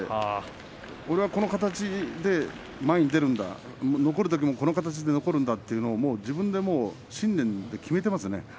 私はこの形でも前に出るんだ残るときもこの形で残るんだという信念、決めていますね。